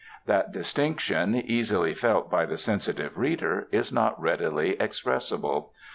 That distinction, easily felt by the sensitive reader, is not readily expressible.